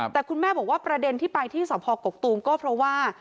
แต่คุณแม่บอกว่าประเด็นที่ไปที่สพกกตูมก็เพราะว่า